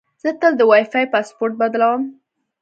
زه تل د وای فای پاسورډ بدلوم.